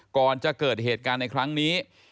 ก่อนจะเกิดเหตุการณ์ในครั้งนี้